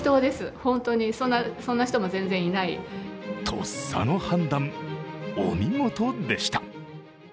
とっさの判断、お見事でした。